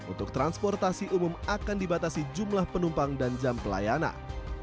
untuk transportasi umum akan dibatasi jumlah penumpang dan jam pelayanan